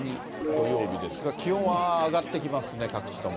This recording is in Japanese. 土曜日ですが、気温は上がってきますね、各地とも。